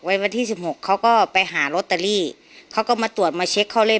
วันที่สิบหกเขาก็ไปหาลอตเตอรี่เขาก็มาตรวจมาเช็คเขาเลข